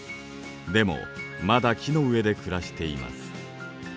でもまだ木の上で暮らしています。